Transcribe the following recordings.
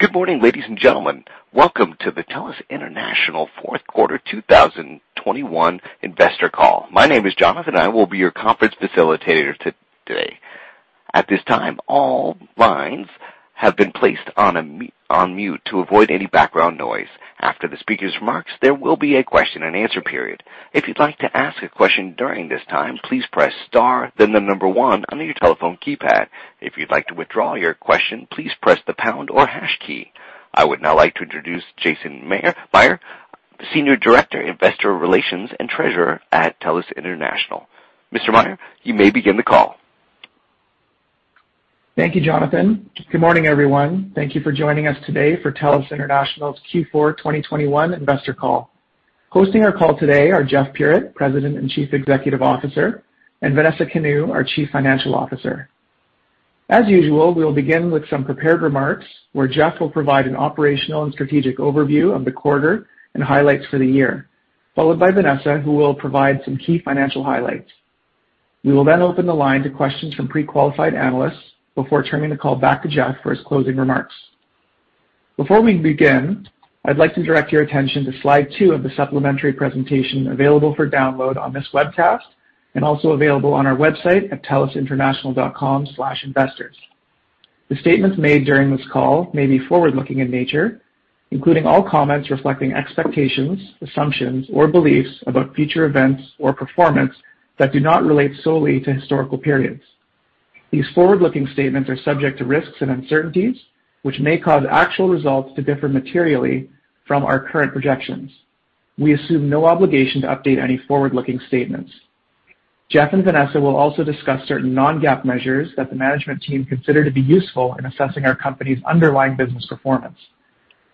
Good morning, ladies and gentlemen. Welcome to the TELUS International fourth quarter 2021 investor call. My name is Jonathan, and I will be your conference facilitator today. At this time, all lines have been placed on mute to avoid any background noise. After the speaker's remarks, there will be a question-and-answer period. If you'd like to ask a question during this time, please press star, then the number one on your telephone keypad. If you'd like to withdraw your question, please press the pound or hash key. I would now like to introduce Jason Mayr, Senior Director, Investor Relations and Treasurer at TELUS International. Mr. Mayr, you may begin the call. Thank you, Jonathan. Good morning, everyone. Thank you for joining us today for TELUS International's Q4 2021 investor call. Hosting our call today are Jeff Puritt, President and Chief Executive Officer, and Vanessa Kanu, our Chief Financial Officer. As usual, we will begin with some prepared remarks, where Jeff will provide an operational and strategic overview of the quarter and highlights for the year, followed by Vanessa, who will provide some key financial highlights. We will then open the line to questions from pre-qualified analysts before turning the call back to Jeff for his closing remarks. Before we begin, I'd like to direct your attention to slide two of the supplementary presentation available for download on this webcast and also available on our website at telusinternational.com/investors. The statements made during this call may be forward-looking in nature, including all comments reflecting expectations, assumptions or beliefs about future events or performance that do not relate solely to historical periods. These forward-looking statements are subject to risks and uncertainties, which may cause actual results to differ materially from our current projections. We assume no obligation to update any forward-looking statements. Jeff Puritt and Vanessa Kanu will also discuss certain non-GAAP measures that the management team consider to be useful in assessing our company's underlying business performance.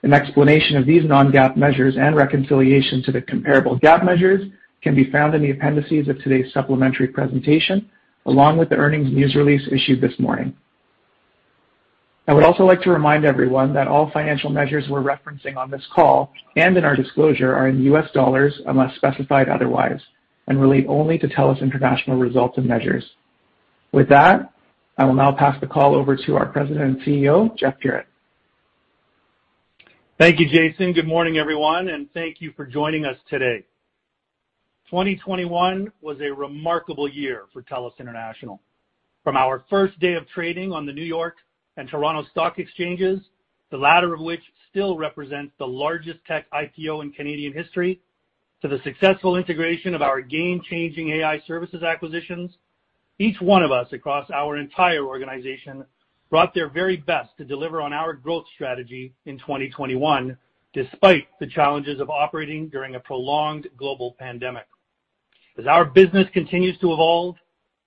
An explanation of these non-GAAP measures and reconciliation to the comparable GAAP measures can be found in the appendices of today's supplementary presentation, along with the earnings news release issued this morning. I would also like to remind everyone that all financial measures we're referencing on this call and in our disclosure are in U.S. dollars unless specified otherwise, and relate only to TELUS International results and measures. With that, I will now pass the call over to our President and CEO, Jeff Puritt. Thank you, Jason. Good morning, everyone, and thank you for joining us today. 2021 was a remarkable year for TELUS International. From our first day of trading on the New York and Toronto stock exchanges, the latter of which still represents the largest tech IPO in Canadian history, to the successful integration of our game-changing AI services acquisitions, each one of us across our entire organization brought their very best to deliver on our growth strategy in 2021, despite the challenges of operating during a prolonged global pandemic. As our business continues to evolve,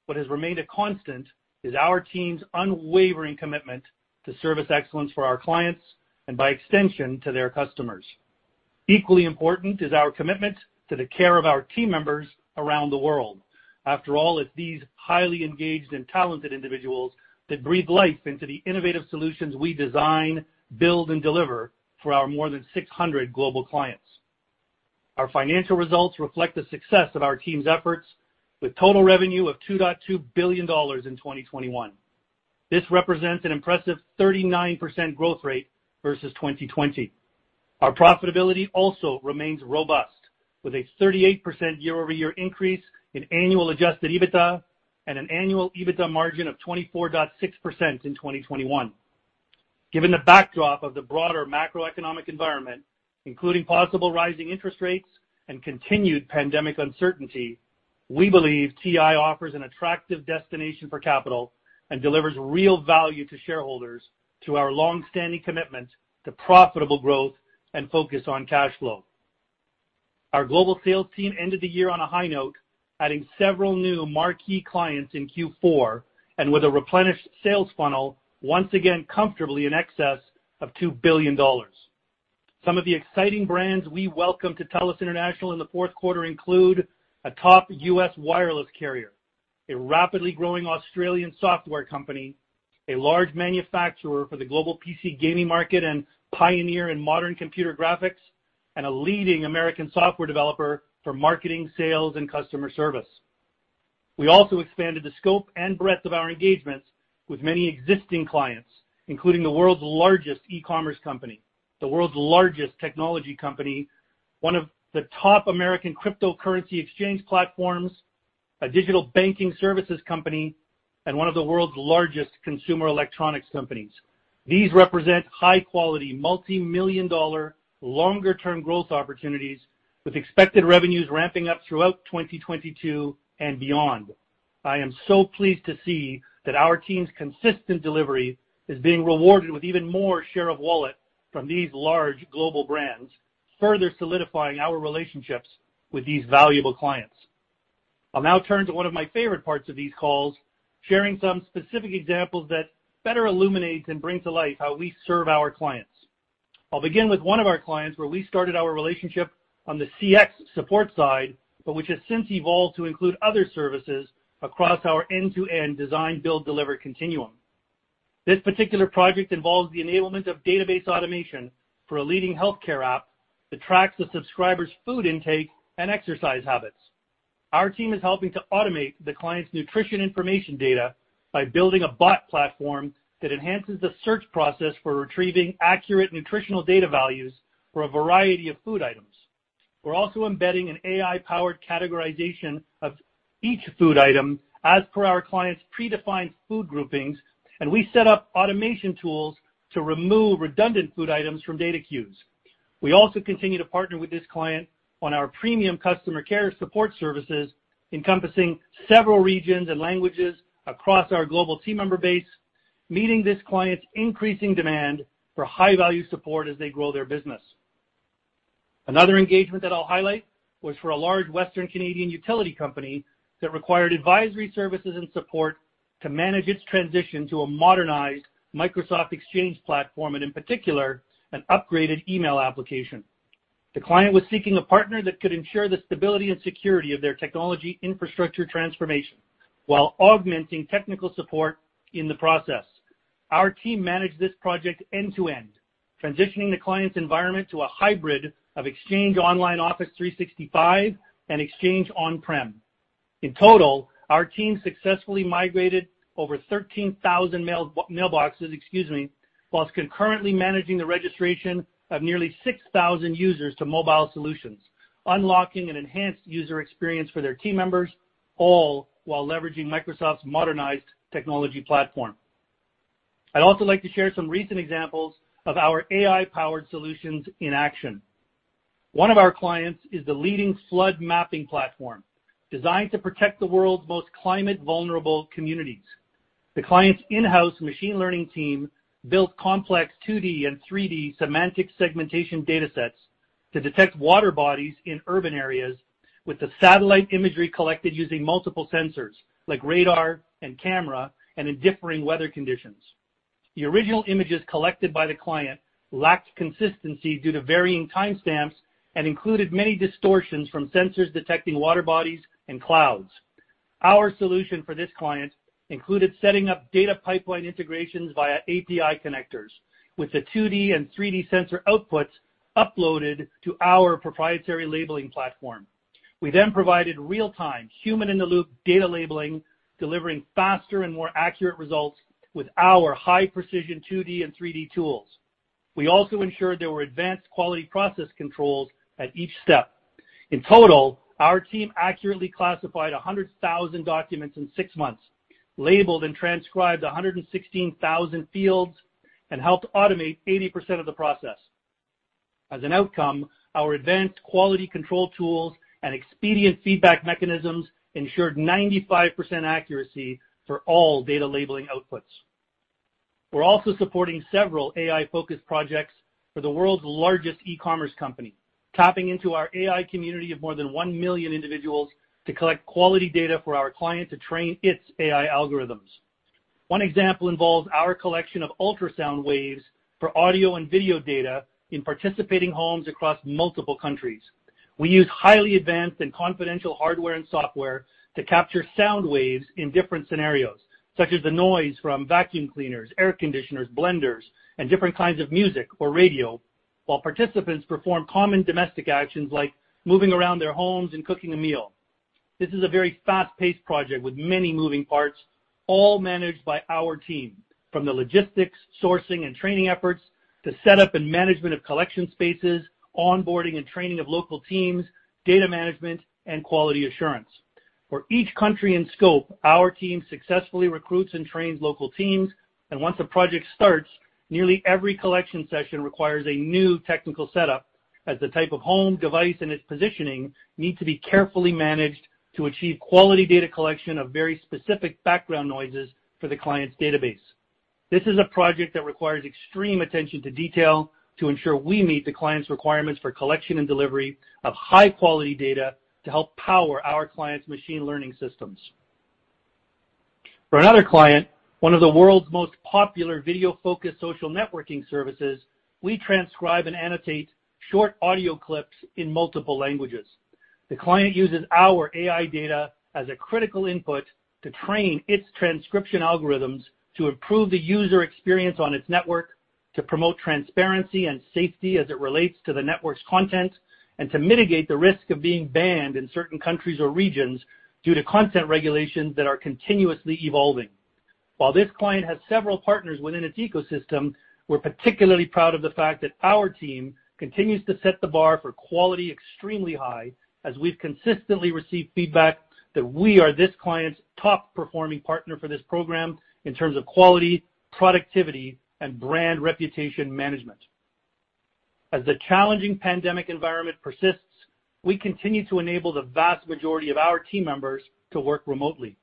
what has remained a constant is our team's unwavering commitment to service excellence for our clients and by extension, to their customers. Equally important is our commitment to the care of our team members around the world. After all, it's these highly engaged and talented individuals that breathe life into the innovative solutions we design, build, and deliver for our more than 600 global clients. Our financial results reflect the success of our team's efforts with total revenue of $2.2 billion in 2021. This represents an impressive 39% growth rate versus 2020. Our profitability also remains robust, with a 38% year-over-year increase in annual Adjusted EBITDA and an annual EBITDA margin of 24.6% in 2021. Given the backdrop of the broader macroeconomic environment, including possible rising interest rates and continued pandemic uncertainty, we believe TI offers an attractive destination for capital and delivers real value to shareholders through our long-standing commitment to profitable growth and focus on cash flow. Our global sales team ended the year on a high note, adding several new marquee clients in Q4, and with a replenished sales funnel, once again comfortably in excess of $2 billion. Some of the exciting brands we welcome to TELUS International in the fourth quarter include a top U.S. wireless carrier, a rapidly growing Australian software company, a large manufacturer for the global PC gaming market and pioneer in modern computer graphics, and a leading American software developer for marketing, sales, and customer service. We also expanded the scope and breadth of our engagements with many existing clients, including the world's largest e-commerce company, the world's largest technology company, one of the top American cryptocurrency exchange platforms, a digital banking services company, and one of the world's largest consumer electronics companies. These represent high-quality, multi-million-dollar, longer-term growth opportunities with expected revenues ramping up throughout 2022 and beyond. I am so pleased to see that our team's consistent delivery is being rewarded with even more share of wallet from these large global brands, further solidifying our relationships with these valuable clients. I'll now turn to one of my favorite parts of these calls, sharing some specific examples that better illuminates and brings to light how we serve our clients. I'll begin with one of our clients, where we started our relationship on the CX support side, but which has since evolved to include other services across our end-to-end design, build, deliver continuum. This particular project involves the enablement of database automation for a leading healthcare app that tracks the subscriber's food intake and exercise habits. Our team is helping to automate the client's nutrition information data by building a bot platform that enhances the search process for retrieving accurate nutritional data values for a variety of food items. We're also embedding an AI-powered categorization of each food item as per our client's predefined food groupings, and we set up automation tools to remove redundant food items from data queues. We also continue to partner with this client on our premium customer care support services, encompassing several regions and languages across our global team member base, meeting this client's increasing demand for high-value support as they grow their business. Another engagement that I'll highlight was for a large Western Canadian utility company that required advisory services and support to manage its transition to a modernized Microsoft Exchange platform, and in particular, an upgraded email application. The client was seeking a partner that could ensure the stability and security of their technology infrastructure transformation while augmenting technical support in the process. Our team managed this project end to end, transitioning the client's environment to a hybrid of Exchange Online Office 365 and Exchange On-Prem. In total, our team successfully migrated over 13,000 mailboxes while concurrently managing the registration of nearly 6,000 users to mobile solutions, unlocking an enhanced user experience for their team members, all while leveraging Microsoft's modernized technology platform. I'd also like to share some recent examples of our AI-powered solutions in action. One of our clients is the leading flood mapping platform designed to protect the world's most climate-vulnerable communities. The client's in-house machine learning team built complex 2D and 3D semantic segmentation datasets to detect water bodies in urban areas with the satellite imagery collected using multiple sensors like radar and camera and in differing weather conditions. The original images collected by the client lacked consistency due to varying timestamps and included many distortions from sensors detecting water bodies and clouds. Our solution for this client included setting up data pipeline integrations via API connectors, with the 2D and 3D sensor outputs uploaded to our proprietary labeling platform. We then provided real-time human-in-the-loop data labeling, delivering faster and more accurate results with our high-precision 2D and 3D tools. We also ensured there were advanced quality process controls at each step. In total, our team accurately classified 100,000 documents in six months, labeled and transcribed 116,000 fields, and helped automate 80% of the process. As an outcome, our advanced quality control tools and expedient feedback mechanisms ensured 95% accuracy for all data labeling outputs. We're also supporting several AI-focused projects for the world's largest e-commerce company, tapping into our AI community of more than 1 million individuals to collect quality data for our client to train its AI algorithms. One example involves our collection of ultrasound waves for audio and video data in participating homes across multiple countries. We use highly advanced and confidential hardware and software to capture sound waves in different scenarios, such as the noise from vacuum cleaners, air conditioners, blenders, and different kinds of music or radio, while participants perform common domestic actions like moving around their homes and cooking a meal. This is a very fast-paced project with many moving parts, all managed by our team, from the logistics, sourcing, and training efforts to setup and management of collection spaces, onboarding and training of local teams, data management, and quality assurance. For each country and scope, our team successfully recruits and trains local teams, and once a project starts, nearly every collection session requires a new technical setup as the type of home, device, and its positioning need to be carefully managed to achieve quality data collection of very specific background noises for the client's database. This is a project that requires extreme attention to detail to ensure we meet the client's requirements for collection and delivery of high-quality data to help power our client's machine learning systems. For another client, one of the world's most popular video-focused social networking services, we transcribe and annotate short audio clips in multiple languages. The client uses our AI data as a critical input to train its transcription algorithms to improve the user experience on its network, to promote transparency and safety as it relates to the network's content, and to mitigate the risk of being banned in certain countries or regions due to content regulations that are continuously evolving. While this client has several partners within its ecosystem, we're particularly proud of the fact that our team continues to set the bar for quality extremely high, as we've consistently received feedback that we are this client's top-performing partner for this program in terms of quality, productivity, and brand reputation management. As the challenging pandemic environment persists, we continue to enable the vast majority of our team members to work remotely.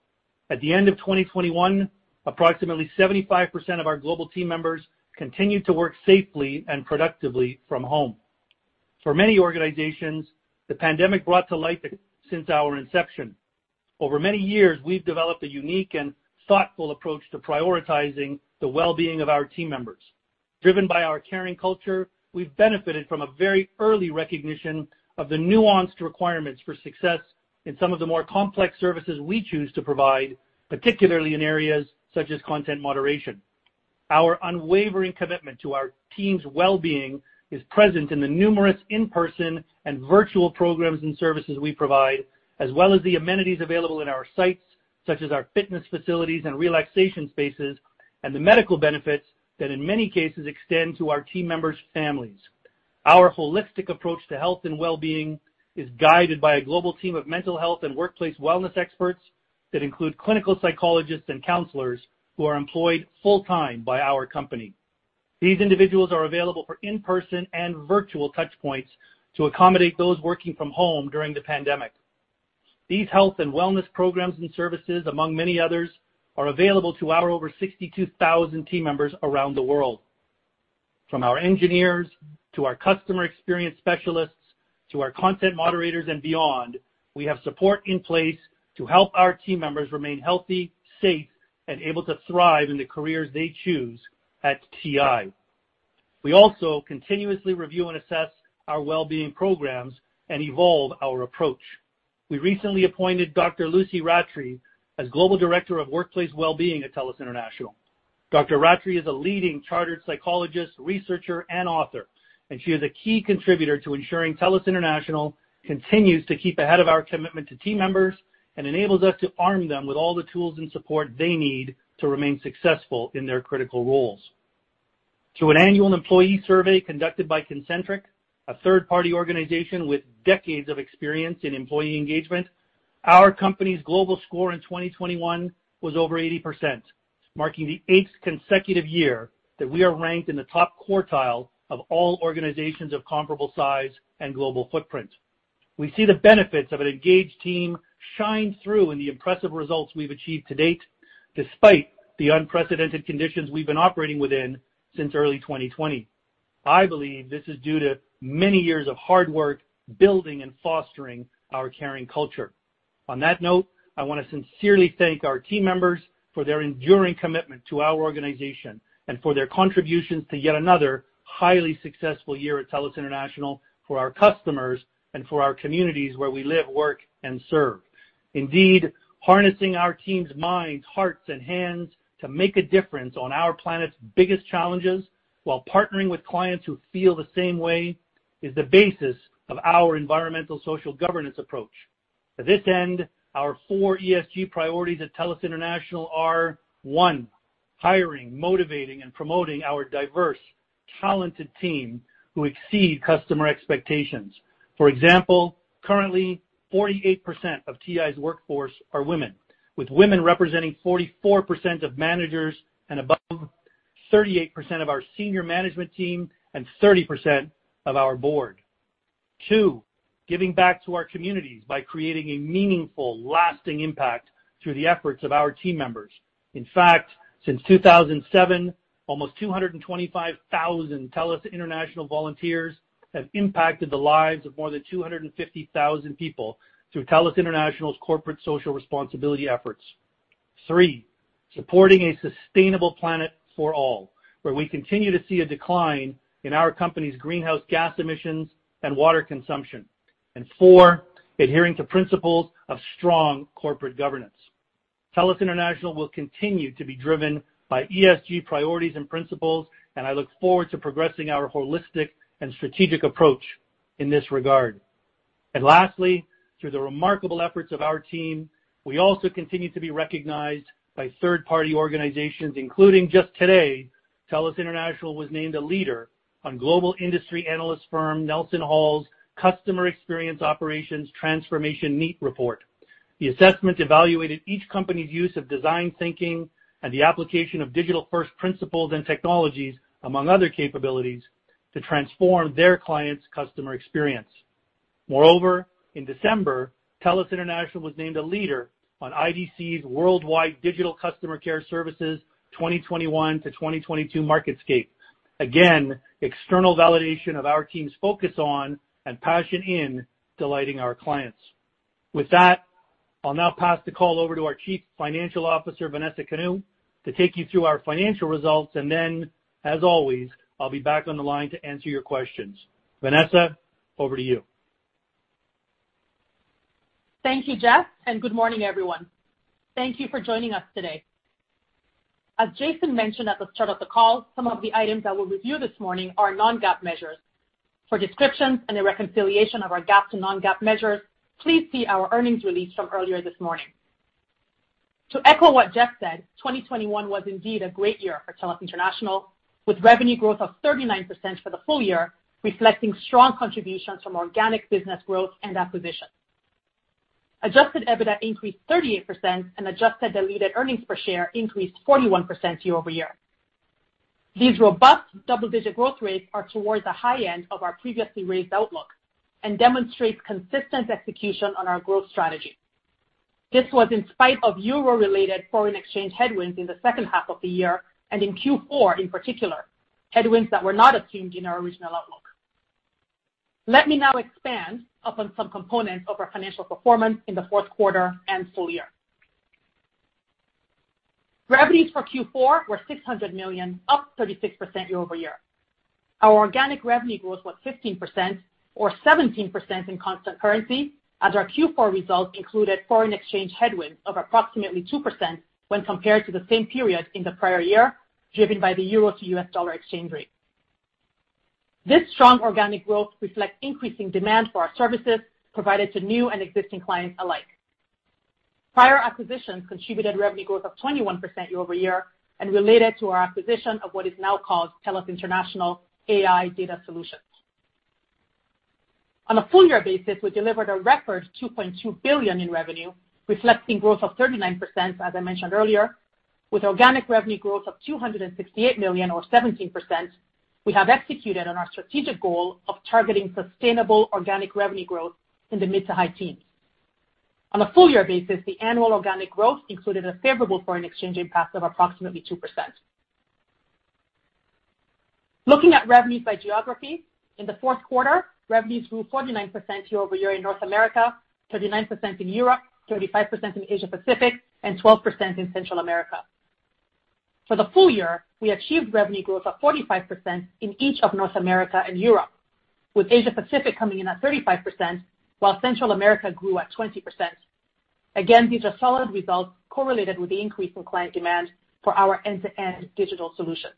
At the end of 2021, approximately 75% of our global team members continued to work safely and productively from home. For many organizations, the pandemic brought to life since our inception. Over many years, we've developed a unique and thoughtful approach to prioritizing the well-being of our team members. Driven by our caring culture, we've benefited from a very early recognition of the nuanced requirements for success in some of the more complex services we choose to provide, particularly in areas such as content moderation. Our unwavering commitment to our team's well-being is present in the numerous in-person and virtual programs and services we provide, as well as the amenities available in our sites, such as our fitness facilities and relaxation spaces, and the medical benefits that in many cases extend to our team members' families. Our holistic approach to health and well-being is guided by a global team of mental health and workplace wellness experts that include clinical psychologists and counselors who are employed full-time by our company. These individuals are available for in-person and virtual touch points to accommodate those working from home during the pandemic. These health and wellness programs and services, among many others, are available to our over 62,000 team members around the world. From our engineers to our customer experience specialists to our content moderators and beyond, we have support in place to help our team members remain healthy, safe, and able to thrive in the careers they choose at TI. We also continuously review and assess our well-being programs and evolve our approach. We recently appointed Dr. Lucy Rattrie as Global Director of Workplace Wellbeing at TELUS International. Dr. Lucy Rattrie is a leading chartered psychologist, researcher, and author, and she is a key contributor to ensuring TELUS International continues to keep ahead of our commitment to team members and enables us to arm them with all the tools and support they need to remain successful in their critical roles. Through an annual employee survey conducted by Kincentric, a third-party organization with decades of experience in employee engagement, our company's global score in 2021 was over 80%, marking the eighth consecutive year that we are ranked in the top quartile of all organizations of comparable size and global footprint. We see the benefits of an engaged team shine through in the impressive results we've achieved to date, despite the unprecedented conditions we've been operating within since early 2020. I believe this is due to many years of hard work building and fostering our caring culture. On that note, I wanna sincerely thank our team members for their enduring commitment to our organization and for their contributions to yet another highly successful year at TELUS International for our customers and for our communities where we live, work, and serve. Indeed, harnessing our team's minds, hearts, and hands to make a difference on our planet's biggest challenges while partnering with clients who feel the same way is the basis of our environmental social governance approach. To this end, our four ESG priorities at TELUS International are, one, hiring, motivating, and promoting our diverse, talented team who exceed customer expectations. For example, currently, 48% of TI's workforce are women, with women representing 44% of managers and above, 38% of our Senior Management Team, and 30% of our Board. Two, giving back to our communities by creating a meaningful, lasting impact through the efforts of our team members. In fact, since 2007, almost 225,000 TELUS International volunteers have impacted the lives of more than 250,000 people through TELUS International's corporate social responsibility efforts. Three, supporting a sustainable planet for all, where we continue to see a decline in our company's greenhouse gas emissions and water consumption. Four, adhering to principles of strong corporate governance. TELUS International will continue to be driven by ESG priorities and principles, and I look forward to progressing our holistic and strategic approach in this regard. Lastly, through the remarkable efforts of our team, we also continue to be recognized by third-party organizations, including just today, TELUS International was named a leader in global industry analyst firm NelsonHall's Customer Experience Operations Transformation NEAT Report. The assessment evaluated each company's use of design thinking and the application of digital-first principles and technologies, among other capabilities, to transform their clients' customer experience. Moreover, in December, TELUS International was named a leader in IDC's Worldwide Digital Customer Care Services 2021-2022 MarketScape. Again, external validation of our team's focus on and passion in delighting our clients. With that, I'll now pass the call over to our Chief Financial Officer, Vanessa Kanu, to take you through our financial results, and then, as always, I'll be back on the line to answer your questions. Vanessa, over to you. Thank you, Jeff, and good morning, everyone. Thank you for joining us today. As Jason mentioned at the start of the call, some of the items that we'll review this morning are non-GAAP measures. For descriptions and a reconciliation of our GAAP to non-GAAP measures, please see our earnings release from earlier this morning. To echo what Jeff said, 2021 was indeed a great year for TELUS International, with revenue growth of 39% for the full year, reflecting strong contributions from organic business growth and acquisitions. Adjusted EBITDA increased 38% and Adjusted Diluted Earnings Per Share increased 41% year-over-year. These robust double-digit growth rates are towards the high end of our previously raised outlook and demonstrates consistent execution on our growth strategy. This was in spite of euro-related foreign exchange headwinds in the second half of the year and in Q4 in particular, headwinds that were not assumed in our original outlook. Let me now expand upon some components of our financial performance in the fourth quarter and full year. Revenues for Q4 were $600 million, up 36% year-over-year. Our organic revenue growth was 15% or 17% in constant currency as our Q4 results included foreign exchange headwind of approximately 2% when compared to the same period in the prior year, driven by the euro to U.S. dollar exchange rate. This strong organic growth reflects increasing demand for our services provided to new and existing clients alike. Prior acquisitions contributed revenue growth of 21% year-over-year and related to our acquisition of what is now called TELUS International AI Data Solutions. On a full year basis, we delivered a record $2.2 billion in revenue, reflecting growth of 39%, as I mentioned earlier, with organic revenue growth of $268 million or 17%. We have executed on our strategic goal of targeting sustainable organic revenue growth in the mid to high teens. On a full year basis, the annual organic growth included a favorable foreign exchange impact of approximately 2%. Looking at revenues by geography, in the fourth quarter, revenues grew 49% year-over-year in North America, 39% in Europe, 35% in Asia Pacific, and 12% in Central America. For the full year, we achieved revenue growth of 45% in each of North America and Europe, with Asia Pacific coming in at 35%, while Central America grew at 20%. These are solid results correlated with the increase in client demand for our end-to-end digital solutions.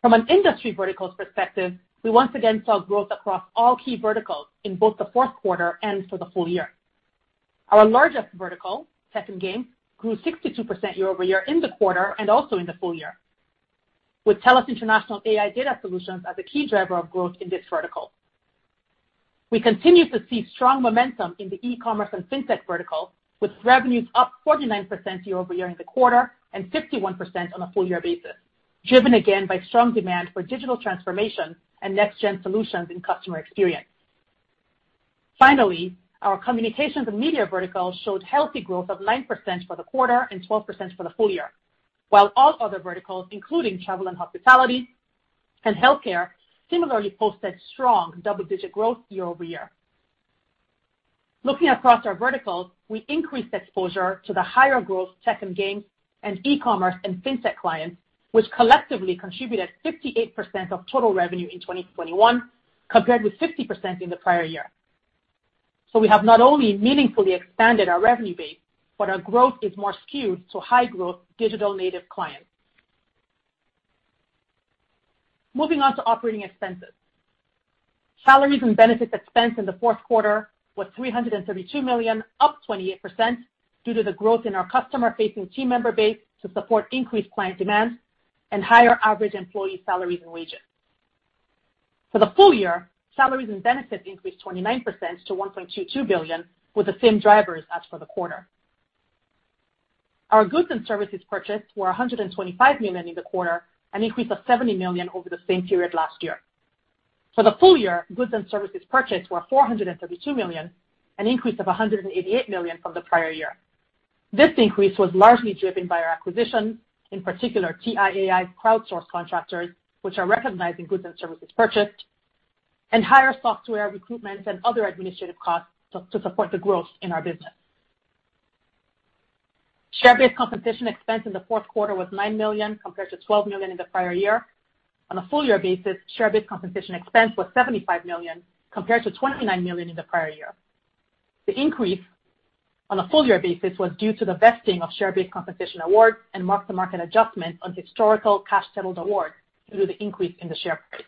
From an industry verticals perspective, we once again saw growth across all key verticals in both the fourth quarter and for the full year. Our largest vertical, tech and game, grew 62% year-over-year in the quarter and also in the full year, with TELUS International AI Data Solutions as a key driver of growth in this vertical. We continue to see strong momentum in the e-commerce and fintech vertical, with revenues up 49% year-over-year in the quarter and 51% on a full year basis, driven again by strong demand for digital transformation and next gen solutions in customer experience. Finally, our communications and media vertical showed healthy growth of 9% for the quarter and 12% for the full year, while all other verticals, including travel and hospitality and healthcare, similarly posted strong double-digit growth year-over-year. Looking across our verticals, we increased exposure to the higher growth tech and games and e-commerce and fintech clients, which collectively contributed 58% of total revenue in 2021, compared with 50% in the prior year. We have not only meaningfully expanded our revenue base, but our growth is more skewed to high growth digital native clients. Moving on to operating expenses. Salaries and benefits expense in the fourth quarter was $332 million, up 28% due to the growth in our customer-facing team member base to support increased client demand and higher average employee salaries and wages. For the full year, salaries and benefits increased 29% to $1.22 billion, with the same drivers as for the quarter. Our goods and services purchased were $125 million in the quarter, an increase of $70 million over the same period last year. For the full year, goods and services purchased were $432 million, an increase of $188 million from the prior year. This increase was largely driven by our acquisition, in particular TIAI's crowdsource contractors, which are recognized in goods and services purchased, and higher software recruitment and other administrative costs to support the growth in our business. Share-based compensation expense in the fourth quarter was $9 million, compared to $12 million in the prior year. On a full year basis, share-based compensation expense was $75 million, compared to $29 million in the prior year. The increase on a full year basis was due to the vesting of share-based compensation awards and mark-to-market adjustment on historical cash settled awards due to the increase in the share price.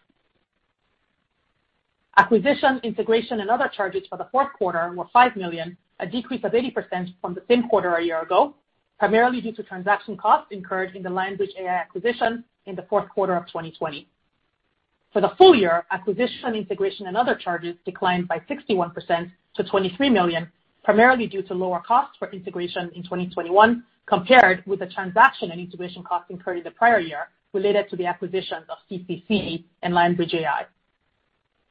Acquisition, integration, and other charges for the fourth quarter were $5 million, a decrease of 80% from the same quarter a year ago, primarily due to transaction costs incurred in the Lionbridge AI acquisition in the fourth quarter of 2020. For the full year, acquisition, integration, and other charges declined by 61% to $23 million, primarily due to lower costs for integration in 2021 compared with the transaction and integration costs incurred in the prior year related to the acquisitions of CCC and Lionbridge AI.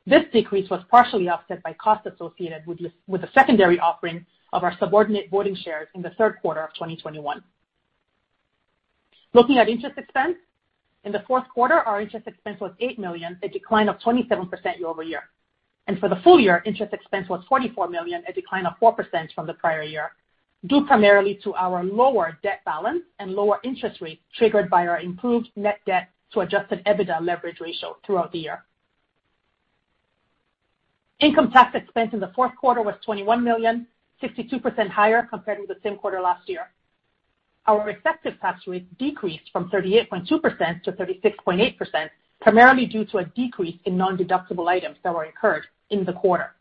This decrease was partially offset by costs associated with the secondary offering of our subordinate voting shares in the third quarter of 2021. Looking at interest expense. In the fourth quarter, our interest expense was $8 million, a decline of 27% year-over-year. For the full year, interest expense was $44 million, a decline of 4% from the prior year, due primarily to our lower debt balance and lower interest rate triggered by our improved net debt to Adjusted EBITDA leverage ratio throughout the year. Income tax expense in the fourth quarter was $21 million, 52% higher compared with the same quarter last year. Our effective tax rate decreased from 38.2% to 36.8%, primarily due to a decrease in nondeductible items that were incurred in the quarter.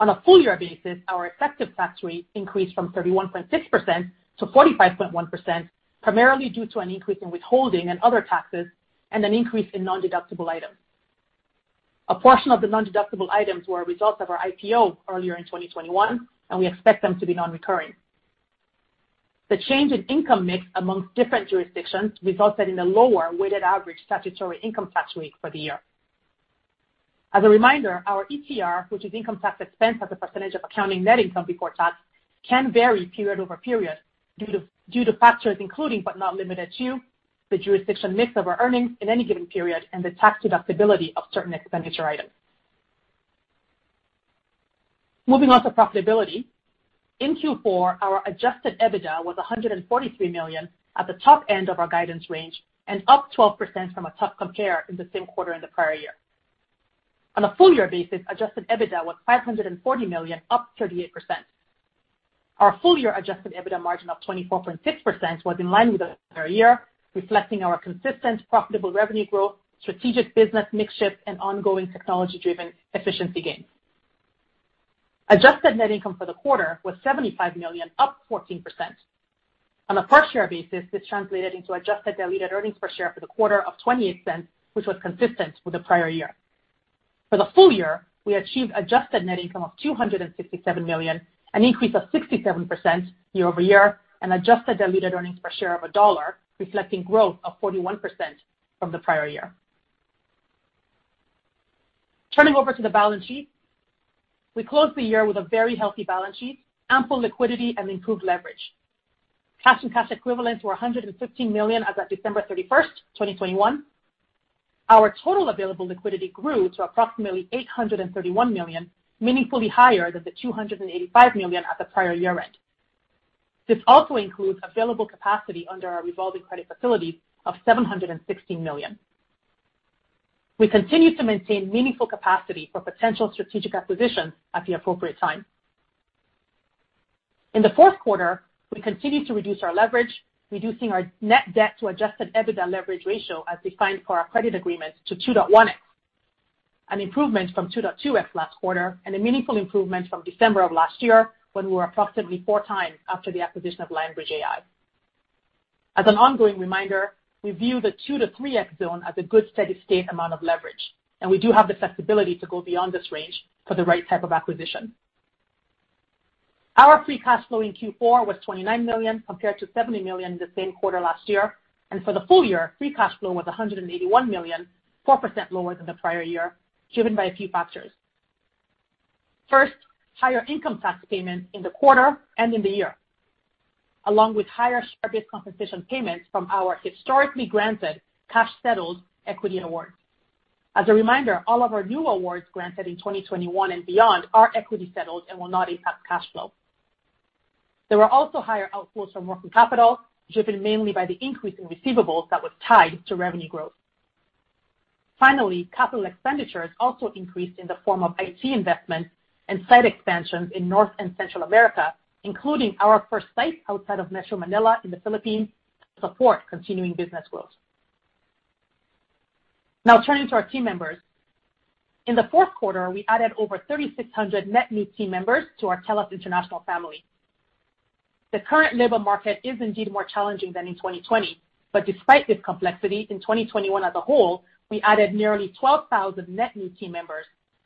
On a full year basis, our effective tax rate increased from 31.6% to 45.1%, primarily due to an increase in withholding and other taxes and an increase in nondeductible items. A portion of the nondeductible items were a result of our IPO earlier in 2021, and we expect them to be non-recurring. The change in income mix among different jurisdictions resulted in a lower weighted average statutory income tax rate for the year. As a reminder, our ETR, which is income tax expense as a percentage of accounting net income before tax, can vary period-over-period due to factors including but not limited to the jurisdiction mix of our earnings in any given period and the tax deductibility of certain expenditure items. Moving on to profitability. In Q4, our Adjusted EBITDA was $143 million at the top end of our guidance range and up 12% from a tough compare in the same quarter in the prior year. On a full-year basis, Adjusted EBITDA was $540 million, up 38%. Our full-year Adjusted EBITDA margin of 24.6% was in line with the prior year, reflecting our consistent profitable revenue growth, strategic business mix shift, and ongoing technology-driven efficiency gains. Adjusted net income for the quarter was $75 million, up 14%. On a per share basis, this translated into Adjusted Diluted Earnings Per Share for the quarter of $0.28, which was consistent with the prior year. For the full year, we achieved adjusted net income of $267 million, an increase of 67% year-over-year, and Adjusted Diluted Earnings Per Share of $1, reflecting growth of 41% from the prior year. Turning over to the balance sheet. We closed the year with a very healthy balance sheet, ample liquidity, and improved leverage. Cash and cash equivalents were $115 million as at December 31st, 2021. Our total available liquidity grew to approximately $831 million, meaningfully higher than the $285 million at the prior year-end. This also includes available capacity under our revolving credit facility of $716 million. We continue to maintain meaningful capacity for potential strategic acquisitions at the appropriate time. In the fourth quarter, we continued to reduce our leverage, reducing our net debt to Adjusted EBITDA leverage ratio, as defined for our credit agreement to 2.1x. An improvement from 2.2x last quarter, and a meaningful improvement from December of last year, when we were approximately 4x after the acquisition of Lionbridge AI. As an ongoing reminder, we view the 2x-3x zone as a good steady state amount of leverage, and we do have the flexibility to go beyond this range for the right type of acquisition. Our free cash flow in Q4 was $29 million, compared to $70 million in the same quarter last year, and for the full year, free cash flow was $181 million, 4% lower than the prior year, driven by a few factors. First, higher income tax payments in the quarter and in the year, along with higher share-based compensation payments from our historically granted cash-settled equity awards. As a reminder, all of our new awards granted in 2021 and beyond are equity settled and will not impact cash flow. There were also higher outflows from working capital, driven mainly by the increase in receivables that was tied to revenue growth. Finally, capital expenditures also increased in the form of IT investments and site expansions in North and Central America, including our first site outside of Metro Manila in the Philippines to support continuing business growth. Now turning to our team members. In the fourth quarter, we added over 3,600 net new team members to our TELUS International family. The current labor market is indeed more challenging than in 2020, but despite this complexity, in 2021 as a whole, we added nearly 12,000 net new team members,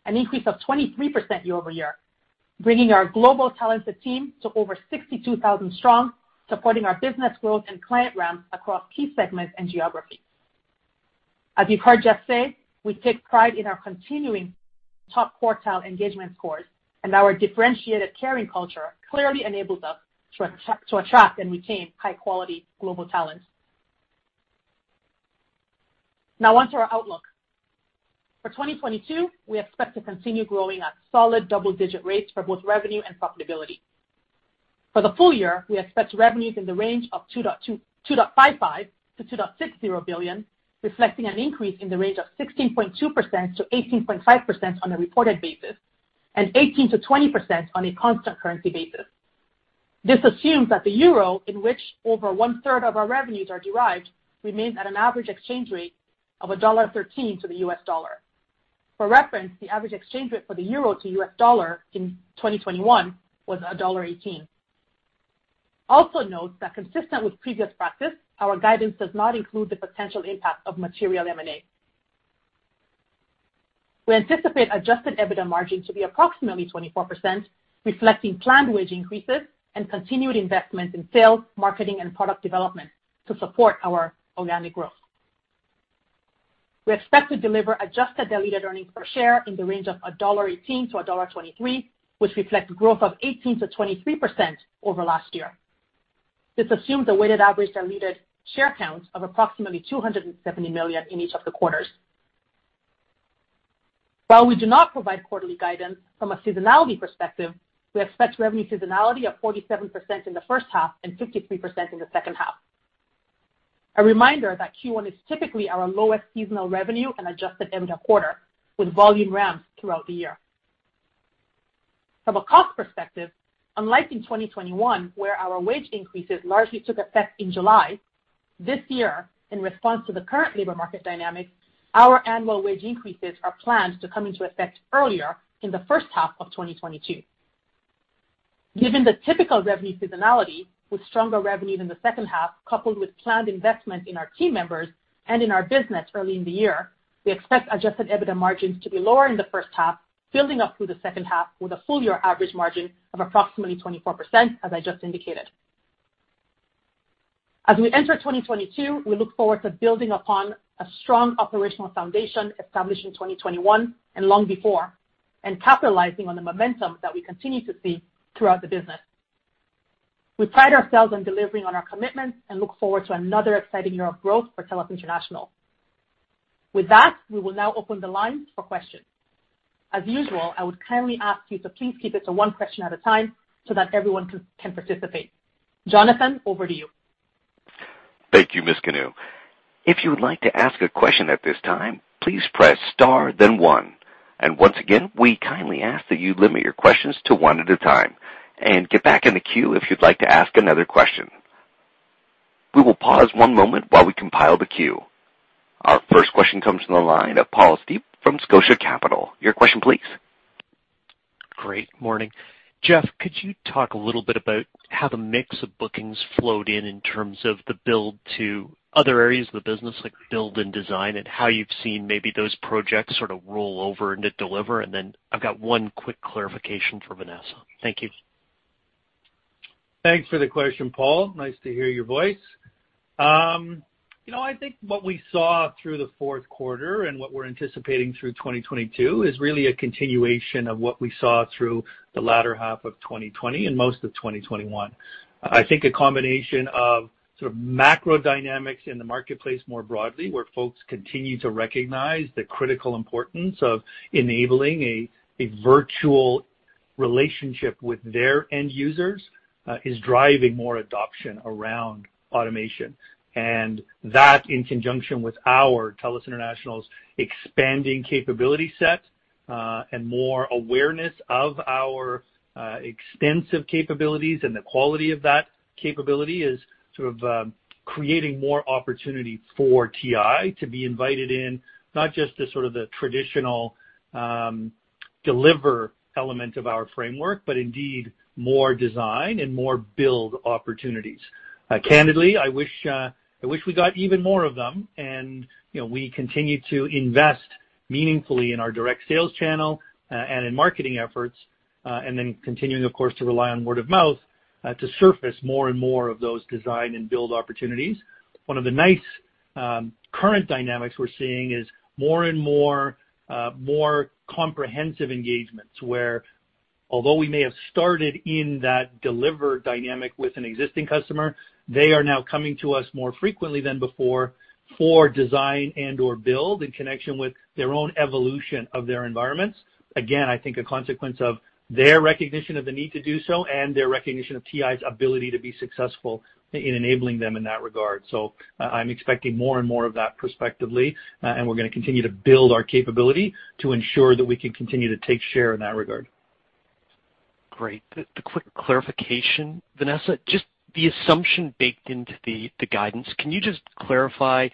an increase of 23% year-over-year, bringing our global talented team to over 62,000 strong, supporting our business growth and client ramps across key segments and geographies. As you've heard Jeff say, we take pride in our continuing top quartile engagement scores, and our differentiated caring culture clearly enables us to attract and retain high-quality global talent. Now on to our outlook. For 2022, we expect to continue growing at solid double-digit rates for both revenue and profitability. For the full year, we expect revenues in the range of $2.25 billion-$2.60 billion, reflecting an increase in the range of 16.2%-18.5% on a reported basis, and 18%-20% on a constant currency basis. This assumes that the euro, in which over 1/3 of our revenues are derived, remains at an average exchange rate of EUR 1.13 to the U.S. dollar. For reference, the average exchange rate for the euro to U.S. dollar in 2021 was $1.18. Also note that consistent with previous practice, our guidance does not include the potential impact of material M&A. We anticipate Adjusted EBITDA margin to be approximately 24%, reflecting planned wage increases and continued investment in sales, marketing, and product development to support our organic growth. We expect to deliver Adjusted Diluted Earnings Per Share in the range of $1.18-$1.23, which reflects growth of 18%-23% over last year. This assumes a weighted average diluted share count of approximately 270 million in each of the quarters. While we do not provide quarterly guidance from a seasonality perspective, we expect revenue seasonality of 47% in the first half and 53% in the second half. A reminder that Q1 is typically our lowest seasonal revenue and Adjusted EBITDA quarter, with volume ramps throughout the year. From a cost perspective, unlike in 2021, where our wage increases largely took effect in July, this year, in response to the current labor market dynamics, our annual wage increases are planned to come into effect earlier in the first half of 2022. Given the typical revenue seasonality with stronger revenues in the second half coupled with planned investment in our team members and in our business early in the year, we expect Adjusted EBITDA margins to be lower in the first half, building up through the second half with a full-year average margin of approximately 24%, as I just indicated. As we enter 2022, we look forward to building upon a strong operational foundation established in 2021 and long before, and capitalizing on the momentum that we continue to see throughout the business. We pride ourselves on delivering on our commitments and look forward to another exciting year of growth for TELUS International. With that, we will now open the lines for questions. As usual, I would kindly ask you to please keep it to one question at a time so that everyone can participate. Jonathan, over to you. Thank you, Ms. Kanu. If you would like to ask a question at this time, please press star then one. Once again, we kindly ask that you limit your questions to one at a time and get back in the queue if you'd like to ask another question. We will pause one moment while we compile the queue. Our first question comes from the line of Paul Steep from Scotia Capital. Your question please. Good morning. Jeff, could you talk a little bit about how the mix of bookings flowed in in terms of the build to other areas of the business, like build and design, and how you've seen maybe those projects sort of roll over into delivery? I've got one quick clarification for Vanessa. Thank you. Thanks for the question, Paul. Nice to hear your voice. You know, I think what we saw through the fourth quarter and what we're anticipating through 2022 is really a continuation of what we saw through the latter half of 2020 and most of 2021. I think a combination of sort of macro dynamics in the marketplace more broadly, where folks continue to recognize the critical importance of enabling a virtual relationship with their end users, is driving more adoption around automation. That, in conjunction with our TELUS International's expanding capability set, and more awareness of our extensive capabilities and the quality of that capability is sort of creating more opportunity for TI to be invited in, not just to sort of the traditional deliver element of our framework, but indeed more design and more build opportunities. Candidly, I wish we got even more of them. You know, we continue to invest meaningfully in our direct sales channel, and in marketing efforts, and then continuing of course to rely on word of mouth, to surface more and more of those design and build opportunities. One of the nice current dynamics we're seeing is more and more more comprehensive engagements, where although we may have started in that deliver dynamic with an existing customer, they are now coming to us more frequently than before for design and/or build in connection with their own evolution of their environments. Again, I think a consequence of their recognition of the need to do so and their recognition of TI's ability to be successful in enabling them in that regard. I'm expecting more and more of that prospectively, and we're gonna continue to build our capability to ensure that we can continue to take share in that regard. Great. The quick clarification, Vanessa, just the assumption baked into the guidance. Can you just clarify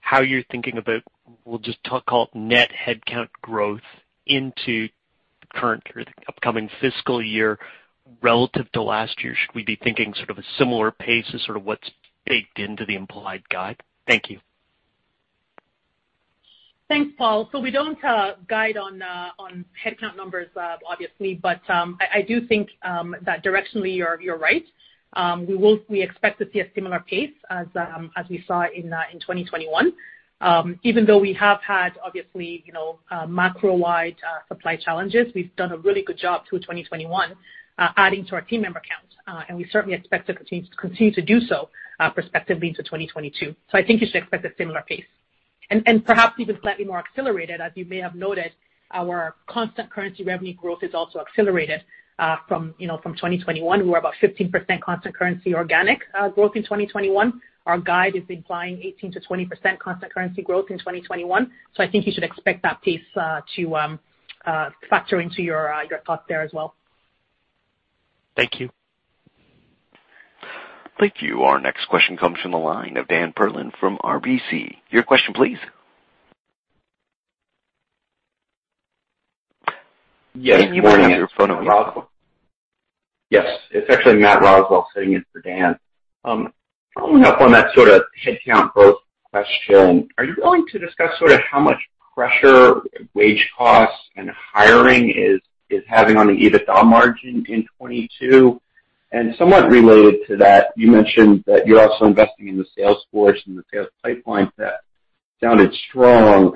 how you're thinking about, we'll just talk, call it net headcount growth into the current or the upcoming fiscal year relative to last year? Should we be thinking sort of a similar pace to sort of what's baked into the implied guide? Thank you. Thanks, Paul. We don't guide on headcount numbers, obviously, but I do think that directionally you're right. We expect to see a similar pace as we saw in 2021. Even though we have had, obviously, you know, macro-wide supply challenges, we've done a really good job through 2021, adding to our team member count. We certainly expect to continue to do so prospectively into 2022. I think you should expect a similar pace. Perhaps even slightly more accelerated. As you may have noted, our constant currency revenue growth is also accelerated from, you know, from 2021. We were about 15% constant currency organic growth in 2021. Our guide is implying 18%-20% constant currency growth in 2021. I think you should expect that pace to factor into your thoughts there as well. Thank you. Thank you. Our next question comes from the line of Dan Perlin from RBC. Your question please. Yes. Good morning. You may have your phone unmute. Yes. It's actually Matt Roswell sitting in for Dan. Following up on that sort of headcount growth question, are you willing to discuss sort of how much pressure wage costs and hiring is having on the EBITDA margin in 2022? Somewhat related to that, you mentioned that you're also investing in the sales force and the sales pipeline. That sounded strong.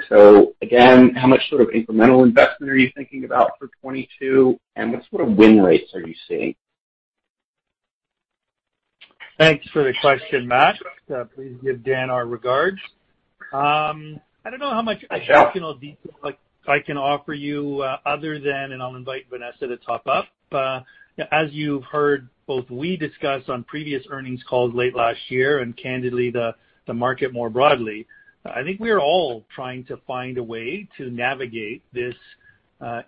Again, how much sort of incremental investment are you thinking about for 2022, and what sort of win rates are you seeing? Thanks for the question, Matt. Please give Dan our regards. I don't know how much Sure. No additional detail I can offer you other than, and I'll invite Vanessa to top up. As we've discussed on previous earnings calls late last year, and candidly, the market more broadly, I think we are all trying to find a way to navigate this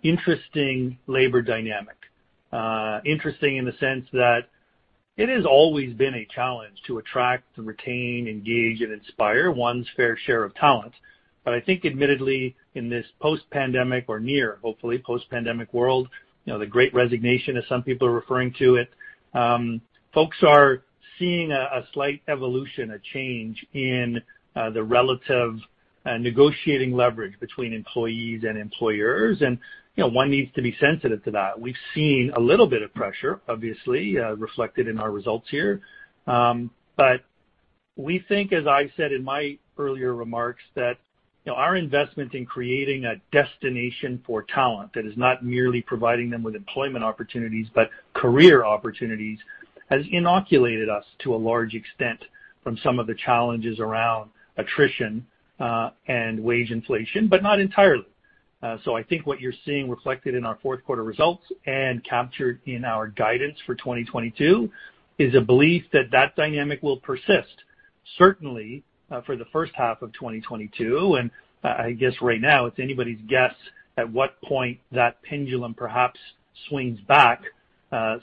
interesting labor dynamic. Interesting in the sense that it has always been a challenge to attract, retain, engage, and inspire one's fair share of talent. I think admittedly in this post-pandemic or near, hopefully post-pandemic world, you know, the Great Resignation as some people are referring to it, folks are seeing a slight evolution, a change in the relative negotiating leverage between employees and employers. You know, one needs to be sensitive to that. We've seen a little bit of pressure, obviously, reflected in our results here. We think, as I said in my earlier remarks, that, you know, our investment in creating a destination for talent that is not merely providing them with employment opportunities, but career opportunities, has inoculated us to a large extent from some of the challenges around attrition, and wage inflation, but not entirely. I think what you're seeing reflected in our fourth quarter results and captured in our guidance for 2022 is a belief that that dynamic will persist, certainly, for the first half of 2022. I guess right now it's anybody's guess at what point that pendulum perhaps swings back,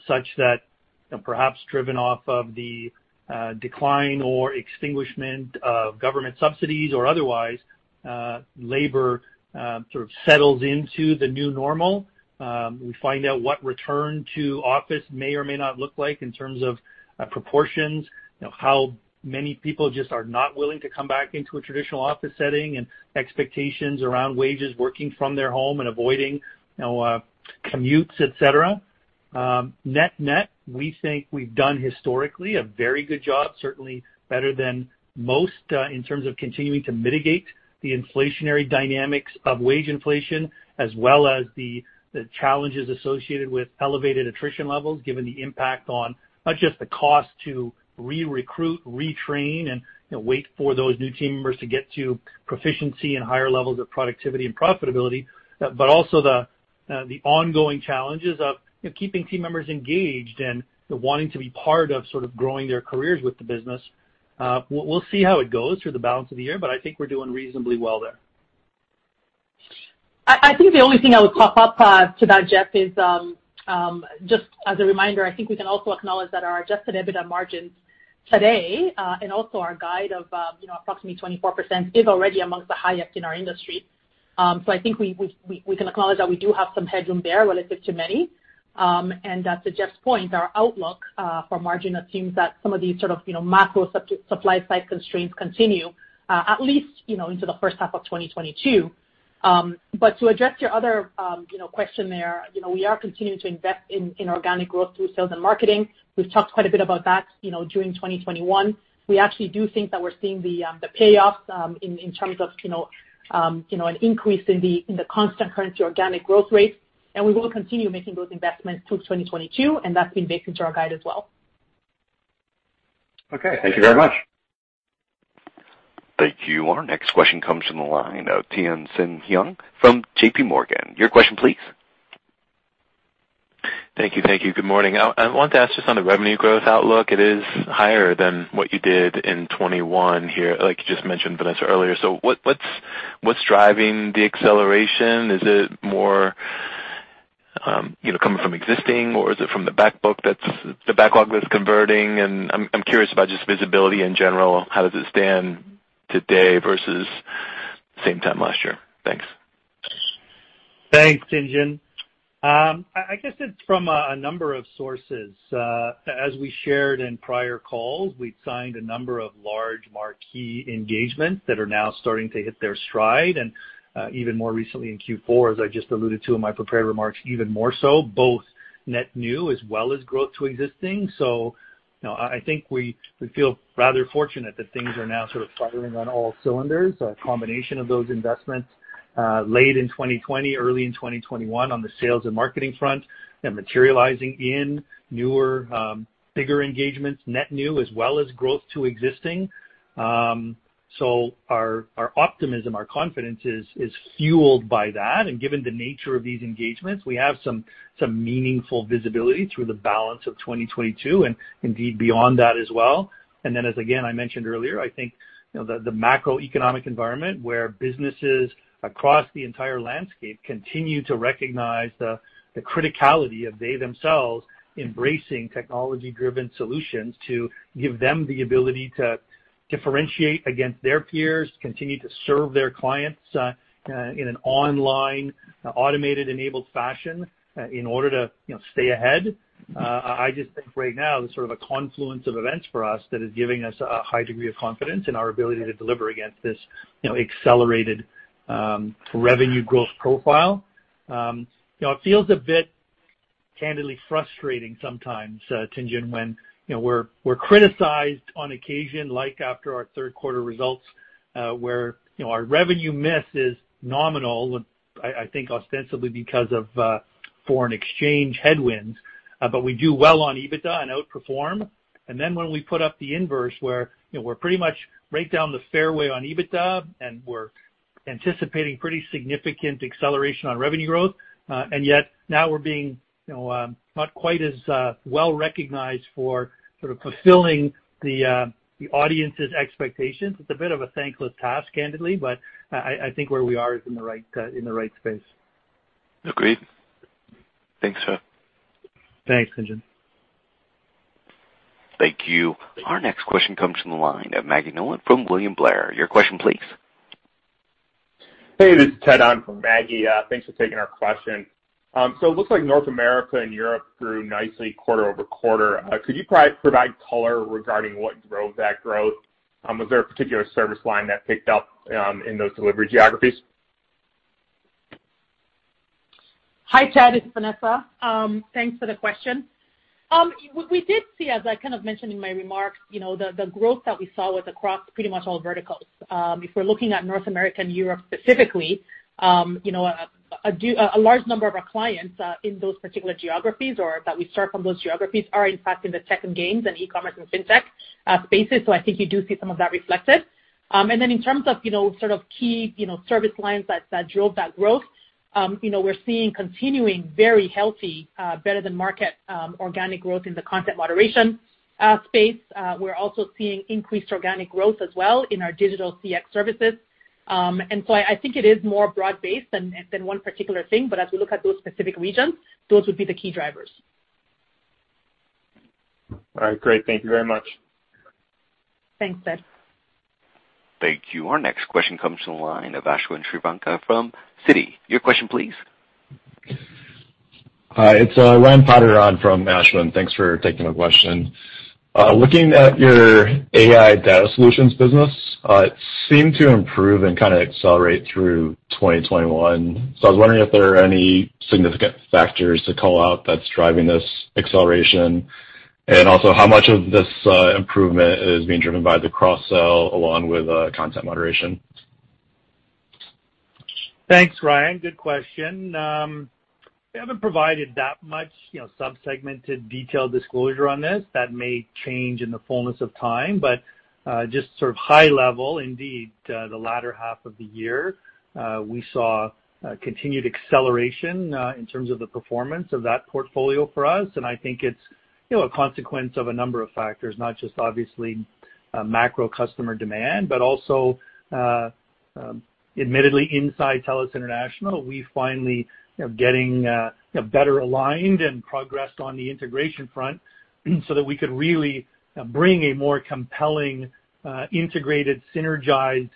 such that perhaps driven off of the decline or extinguishment of government subsidies or otherwise, labor sort of settles into the new normal. We find out what return to office may or may not look like in terms of proportions. You know, how many people just are not willing to come back into a traditional office setting and expectations around wages, working from their home and avoiding, you know, commutes, et cetera. Net-net, we think we've done historically a very good job, certainly better than most, in terms of continuing to mitigate the inflationary dynamics of wage inflation as well as the challenges associated with elevated attrition levels, given the impact on not just the cost to recruit, retrain, and, you know, wait for those new team members to get to proficiency and higher levels of productivity and profitability, but also the ongoing challenges of, you know, keeping team members engaged and wanting to be part of sort of growing their careers with the business. We'll see how it goes through the balance of the year, but I think we're doing reasonably well there. I think the only thing I would pop up to that, Jeff, is just as a reminder, I think we can also acknowledge that our Adjusted EBITDA margins today and also our guide of approximately 24% is already amongst the highest in our industry. So I think we can acknowledge that we do have some headroom there relative to many. And to Jeff's point, our outlook for margin assumes that some of these sort of you know macro supply-side constraints continue at least you know into the first half of 2022. But to address your other you know question there, you know, we are continuing to invest in organic growth through sales and marketing. We've talked quite a bit about that, you know, during 2021. We actually do think that we're seeing the payoffs in terms of, you know, an increase in the constant currency organic growth rate. We will continue making those investments through 2022, and that's been baked into our guide as well. Okay. Thank you very much. Thank you. Our next question comes from the line of Tien-Tsin Huang from JPMorgan. Your question please. Thank you. Good morning. I want to ask just on the revenue growth outlook. It is higher than what you did in 2021 here, like you just mentioned, Vanessa, earlier. What's driving the acceleration? Is it more, you know, coming from existing, or is it from the backlog that's converting? I'm curious about just visibility in general. How does it stand today versus same time last year? Thanks. Thanks, Tien-Tsin. I guess it's from a number of sources. As we shared in prior calls, we'd signed a number of large marquee engagements that are now starting to hit their stride. Even more recently in Q4, as I just alluded to in my prepared remarks, even more so, both net new as well as growth to existing. You know, I think we feel rather fortunate that things are now sort of firing on all cylinders. A combination of those investments, late in 2020, early in 2021 on the sales and marketing front, and materializing in newer, bigger engagements, net new, as well as growth to existing. Our optimism, our confidence is fueled by that. Given the nature of these engagements, we have some meaningful visibility through the balance of 2022 and indeed beyond that as well. As again, I mentioned earlier, I think, you know, the macroeconomic environment where businesses across the entire landscape continue to recognize the criticality of they themselves embracing technology-driven solutions to give them the ability to differentiate against their peers, continue to serve their clients, in an online, automated-enabled fashion, in order to, you know, stay ahead. I just think right now there's sort of a confluence of events for us that is giving us a high degree of confidence in our ability to deliver against this, you know, accelerated, revenue growth profile. You know, it feels a bit candidly frustrating sometimes, Tien-Tsin, when, you know, we're criticized on occasion, like after our third quarter results, where, you know, our revenue miss is nominal. I think ostensibly because of foreign exchange headwinds, but we do well on EBITDA and outperform. When we put up the inverse where, you know, we're pretty much right down the fairway on EBITDA, and we're anticipating pretty significant acceleration on revenue growth, and yet now we're being, you know, not quite as well-recognized for sort of fulfilling the audience's expectations. It's a bit of a thankless task, candidly, but I think where we are is in the right space. Agreed. Thanks, Jeff. Thanks, Tien-Tsin. Thank you. Our next question comes from the line of Maggie Nolan from William Blair. Your question please. Hey, this is Ted on for Maggie. Thanks for taking our question. It looks like North America and Europe grew nicely quarter-over-quarter. Could you provide color regarding what drove that growth? Was there a particular service line that picked up in those delivery geographies? Hi, Ted, it's Vanessa. Thanks for the question. We did see, as I kind of mentioned in my remarks, you know, the growth that we saw was across pretty much all verticals. If we're looking at North America and Europe specifically, you know, a large number of our clients in those particular geographies or that we serve from those geographies are, in fact, in the tech and games and e-commerce and fintech spaces. So I think you do see some of that reflected. Then in terms of, you know, sort of key, you know, service lines that drove that growth, you know, we're seeing continuing very healthy, better than market, organic growth in the content moderation space. We're also seeing increased organic growth as well in our digital CX services. I think it is more broad-based than one particular thing. As we look at those specific regions, those would be the key drivers. All right, great. Thank you very much. Thanks, Ted. Thank you. Our next question comes from the line of Ashwin Shirvaikar from Citi. Your question, please. Hi, it's Ryan Potter on for Ashwin. Thanks for taking my question. Looking at your AI Data Solutions business, it seemed to improve and kinda accelerate through 2021. So I was wondering if there are any significant factors to call out that's driving this acceleration. Also, how much of this improvement is being driven by the cross-sell along with content moderation? Thanks, Ryan. Good question. We haven't provided that much, you know, sub-segmented detailed disclosure on this. That may change in the fullness of time. Just sort of high level, indeed, the latter half of the year, we saw continued acceleration in terms of the performance of that portfolio for us. I think it's, you know, a consequence of a number of factors, not just obviously macro customer demand, but also, admittedly inside TELUS International, we finally, you know, getting, you know, better aligned and progressed on the integration front so that we could really bring a more compelling integrated, synergized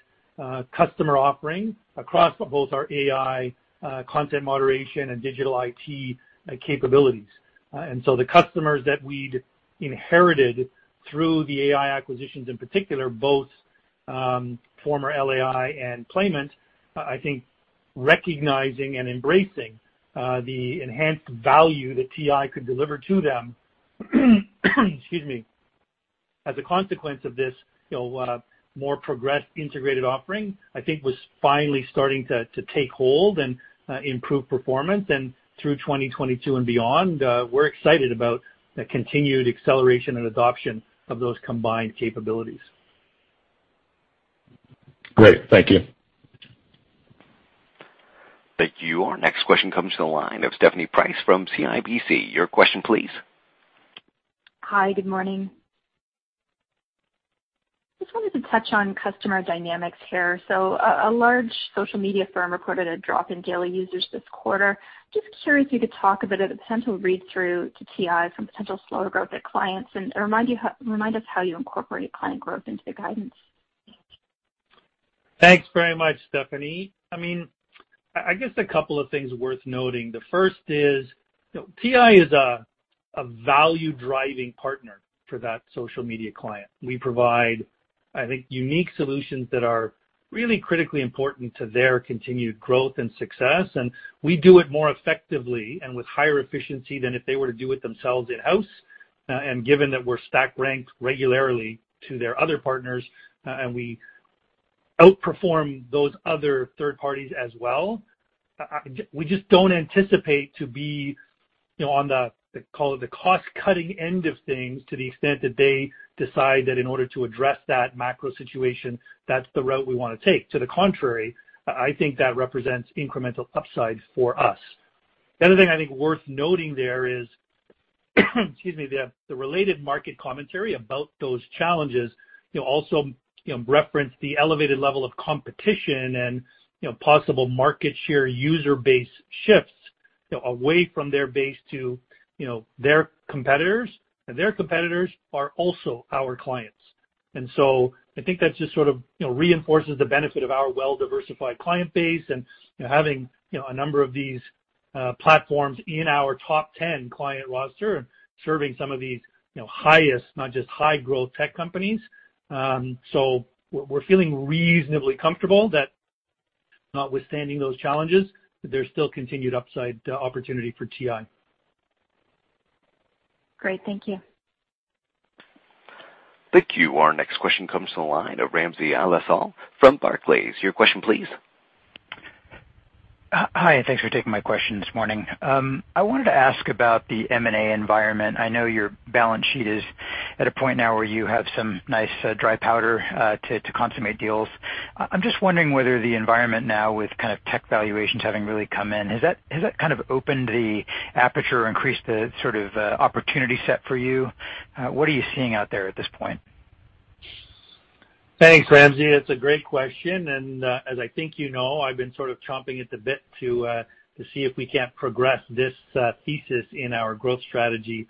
customer offering across both our AI content moderation and digital IT capabilities. The customers that we'd inherited through the AI acquisitions, in particular, both former LAI and Playment, I think recognizing and embracing the enhanced value that TI could deliver to them, excuse me. As a consequence of this, you know, more progressed integrated offering, I think, was finally starting to take hold and improve performance. Through 2022 and beyond, we're excited about the continued acceleration and adoption of those combined capabilities. Great. Thank you. Thank you. Our next question comes to the line of Stephanie Price from CIBC. Your question, please. Hi, good morning. Just wanted to touch on customer dynamics here. A large social media firm reported a drop in daily users this quarter. Just curious if you could talk a bit of the potential read-through to TI from potential slower growth at clients and remind us how you incorporate client growth into the guidance. Thanks very much, Stephanie. I mean, I guess a couple of things worth noting. The first is, you know, TI is a value-driving partner for that social media client. We provide, I think, unique solutions that are really critically important to their continued growth and success, and we do it more effectively and with higher efficiency than if they were to do it themselves in-house. Given that we're stack ranked regularly to their other partners, and we outperform those other third parties as well, we just don't anticipate to be, you know, on the call it, the cost-cutting end of things to the extent that they decide that in order to address that macro situation, that's the route we wanna take. To the contrary, I think that represents incremental upside for us. The other thing I think worth noting there is, excuse me, the related market commentary about those challenges, you know, also, you know, reference the elevated level of competition and, you know, possible market share user base shifts, you know, away from their base to, you know, their competitors, and their competitors are also our clients. I think that just sort of, you know, reinforces the benefit of our well-diversified client base and, you know, having, you know, a number of these platforms in our top ten client roster serving some of these, you know, highest, not just high-growth tech companies. We're feeling reasonably comfortable that notwithstanding those challenges, there's still continued upside opportunity for TI. Great. Thank you. Thank you. Our next question comes to the line of Ramsey El-Assal from Barclays. Your question please. Hi, thanks for taking my question this morning. I wanted to ask about the M&A environment. I know your balance sheet is at a point now where you have some nice dry powder to consummate deals. I'm just wondering whether the environment now with kind of tech valuations having really come in, has that kind of opened the aperture or increased the sort of opportunity set for you? What are you seeing out there at this point? Thanks, Ramsey. That's a great question. As I think you know, I've been sort of chomping at the bit to see if we can't progress this thesis in our growth strategy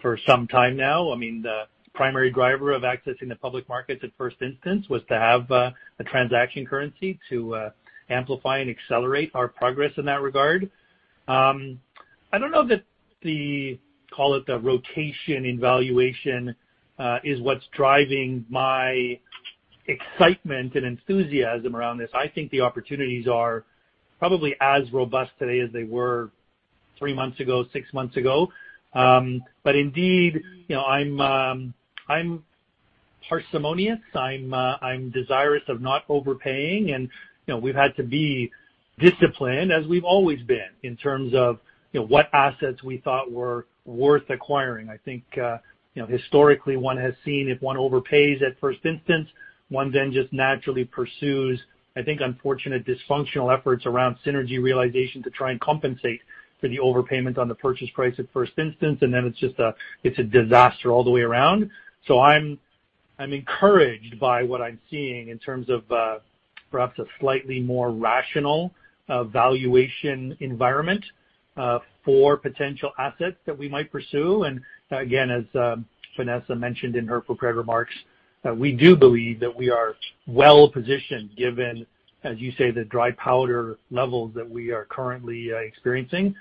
for some time now. I mean, the primary driver of accessing the public markets at first instance was to have a transaction currency to amplify and accelerate our progress in that regard. I don't know that the, call it the rotation in valuation, is what's driving my excitement and enthusiasm around this. I think the opportunities are probably as robust today as they were three months ago, six months ago. Indeed, you know, I'm parsimonious. I'm desirous of not overpaying. You know, we've had to be disciplined, as we've always been, in terms of what assets we thought were worth acquiring. I think, you know, historically one has seen if one overpays at first instance, one then just naturally pursues, I think, unfortunate dysfunctional efforts around synergy realization to try and compensate for the overpayment on the purchase price at first instance. Then it's just a disaster all the way around. I'm encouraged by what I'm seeing in terms of, perhaps a slightly more rational, valuation environment, for potential assets that we might pursue. Again, as Vanessa mentioned in her prepared remarks, we do believe that we are well positioned given, as you say, the dry powder levels that we are currently, experiencing.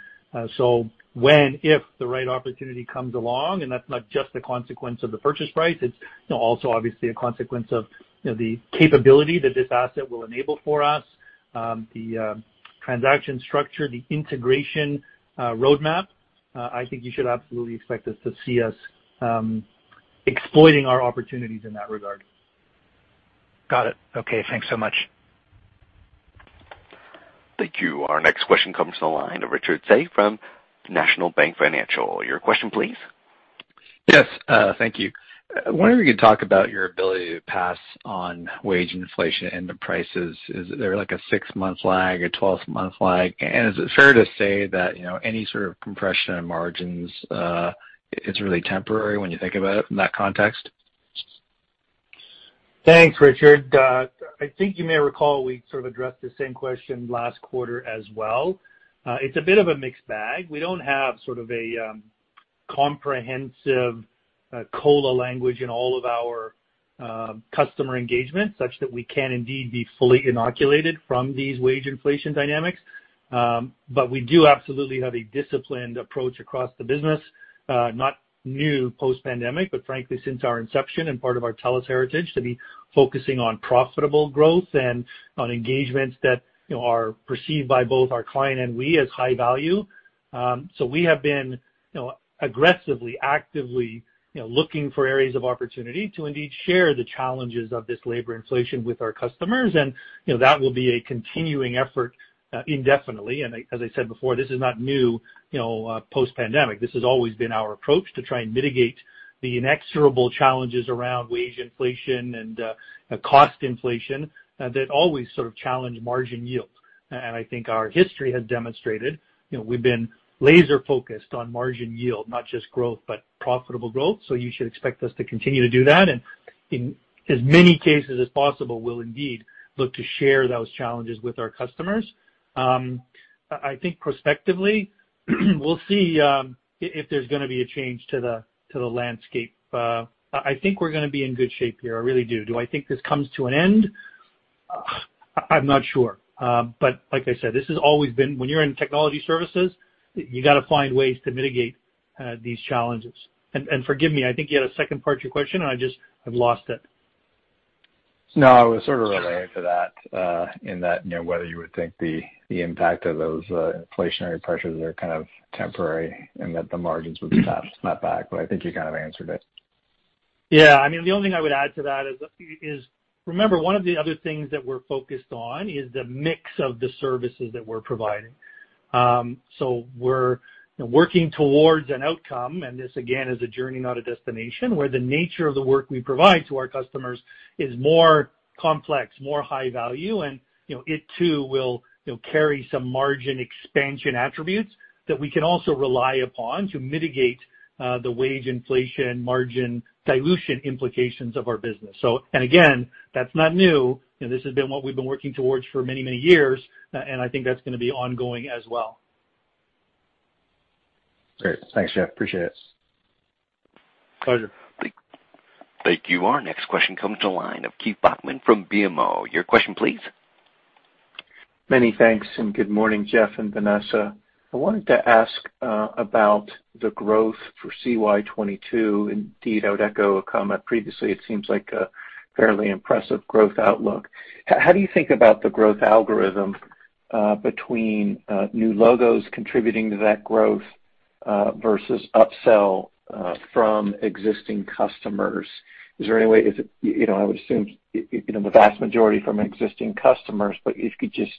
When, if the right opportunity comes along, and that's not just a consequence of the purchase price, it's, you know, also obviously a consequence of, you know, the capability that this asset will enable for us, the transaction structure, the integration roadmap, I think you should absolutely expect us to see us exploiting our opportunities in that regard. Got it. Okay, thanks so much. Thank you. Our next question comes to the line of Richard Tse from National Bank Financial. Your question please. Yes, thank you. I wonder if you could talk about your ability to pass on wage inflation into prices. Is there like a six-month lag, a 12-month lag? Is it fair to say that, you know, any sort of compression in margins is really temporary when you think about it from that context? Thanks, Richard. I think you may recall we sort of addressed the same question last quarter as well. It's a bit of a mixed bag. We don't have sort of a comprehensive COLA language in all of our customer engagements such that we can indeed be fully inoculated from these wage inflation dynamics. We do absolutely have a disciplined approach across the business, not new post-pandemic, but frankly since our inception and part of our TELUS heritage, to be focusing on profitable growth and on engagements that, you know, are perceived by both our client and we as high value. We have been, you know, aggressively, actively, you know, looking for areas of opportunity to indeed share the challenges of this labor inflation with our customers. You know, that will be a continuing effort indefinitely. As I said before, this is not new, you know, post-pandemic. This has always been our approach to try and mitigate the inexorable challenges around wage inflation and, cost inflation, that always sort of challenge margin yield. I think our history has demonstrated, you know, we've been laser-focused on margin yield, not just growth, but profitable growth. You should expect us to continue to do that. In as many cases as possible, we'll indeed look to share those challenges with our customers. I think prospectively, we'll see, if there's gonna be a change to the landscape. I think we're gonna be in good shape here. I really do. Do I think this comes to an end? I'm not sure. Like I said, this has always been when you're in technology services, you gotta find ways to mitigate these challenges. Forgive me, I think you had a second part to your question, and I just, I've lost it. No, it was sort of related to that, in that, you know, whether you would think the impact of those, inflationary pressures are kind of temporary and that the margins would be passed back. I think you kind of answered it. Yeah. I mean, the only thing I would add to that is remember, one of the other things that we're focused on is the mix of the services that we're providing. So we're working towards an outcome, and this again is a journey, not a destination, where the nature of the work we provide to our customers is more complex, more high value, and, you know, it too will, you know, carry some margin expansion attributes that we can also rely upon to mitigate, the wage inflation, margin dilution implications of our business. Again, that's not new. You know, this has been what we've been working towards for many, many years. I think that's gonna be ongoing as well. Great. Thanks, Jeff. Appreciate it. Pleasure. Thank you. Our next question comes to the line of Keith Bachman from BMO. Your question please. Many thanks, and good morning, Jeff and Vanessa. I wanted to ask about the growth for CY 2022. Indeed, I would echo a comment previously. It seems like a fairly impressive growth outlook. How do you think about the growth algorithm between new logos contributing to that growth versus upsell from existing customers? You know, I would assume, you know, the vast majority from existing customers, but if you could just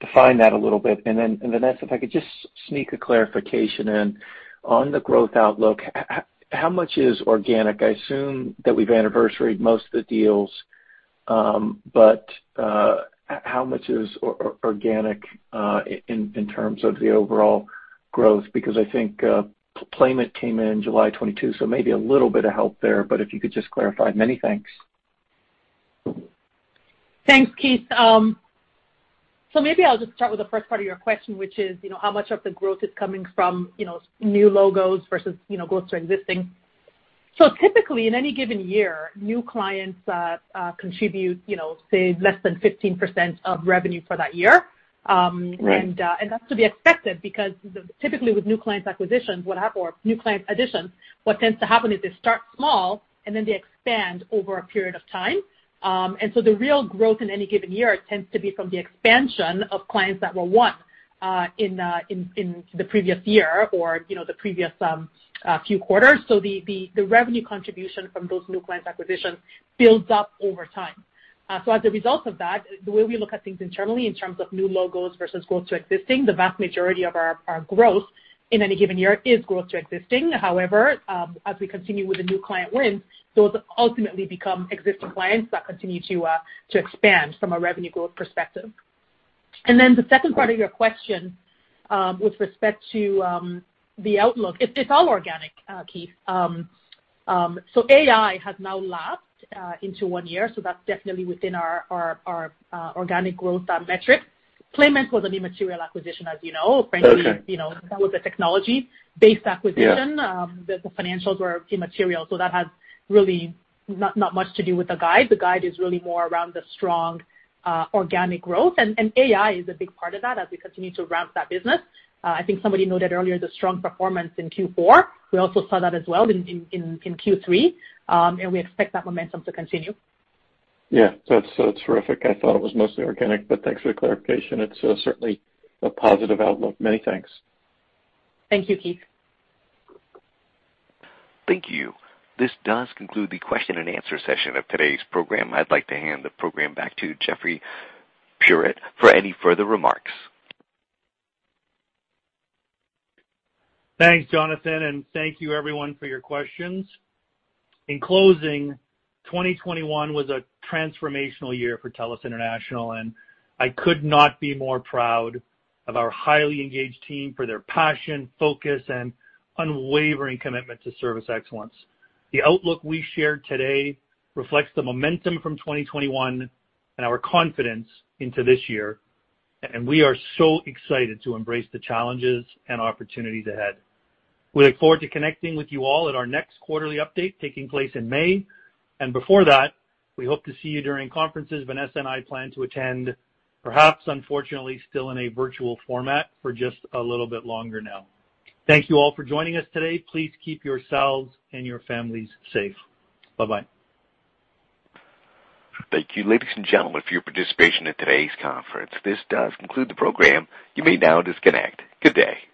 define that a little bit. Then, Vanessa, if I could just sneak a clarification in on the growth outlook. How much is organic? I assume that we've anniversaried most of the deals, but how much is organic in terms of the overall growth? Because I think, Playment came in July 2022, so maybe a little bit of help there, but if you could just clarify. Many thanks. Thanks, Keith. Maybe I'll just start with the first part of your question, which is, you know, how much of the growth is coming from, you know, new logos versus, you know, growth to existing. Typically, in any given year, new clients contribute, you know, say less than 15% of revenue for that year. That's to be expected because typically with new clients acquisitions, what tends to happen is they start small and then they expand over a period of time. The real growth in any given year tends to be from the expansion of clients that were won in the previous year or, you know, the previous few quarters. The revenue contribution from those new clients acquisitions builds up over time. As a result of that, the way we look at things internally in terms of new logos versus growth to existing, the vast majority of our growth in any given year is growth to existing. However, as we continue with the new client wins, those ultimately become existing clients that continue to expand from a revenue growth perspective. The second part of your question with respect to the outlook, it's all organic, Keith. AI has now lapsed into one year, so that's definitely within our organic growth metric. Playment was an immaterial acquisition, as you know. Okay. Frankly, you know, that was a technology-based acquisition. Yeah. The financials were immaterial, so that has really not much to do with the guide. The guide is really more around the strong organic growth. AI is a big part of that as we continue to ramp that business. I think somebody noted earlier the strong performance in Q4. We also saw that as well in Q3. We expect that momentum to continue. Yeah. That's terrific. I thought it was mostly organic, but thanks for the clarification. It's certainly a positive outlook. Many thanks. Thank you, Keith. Thank you. This does conclude the question-and-answer session of today's program. I'd like to hand the program back to Jeffrey Puritt for any further remarks. Thanks, Jonathan, and thank you everyone for your questions. In closing, 2021 was a transformational year for TELUS International, and I could not be more proud of our highly engaged team for their passion, focus, and unwavering commitment to service excellence. The outlook we shared today reflects the momentum from 2021 and our confidence into this year, and we are so excited to embrace the challenges and opportunities ahead. We look forward to connecting with you all at our next quarterly update taking place in May. Before that, we hope to see you during conferences Vanessa and I plan to attend, perhaps unfortunately still in a virtual format for just a little bit longer now. Thank you all for joining us today. Please keep yourselves and your families safe. Bye-bye. Thank you, ladies and gentlemen, for your participation in today's conference. This does conclude the program. You may now disconnect. Good day.